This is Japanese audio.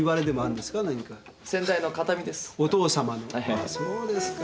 あーそうですか。